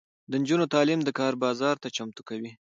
د نجونو تعلیم د کار بازار ته چمتو کوي.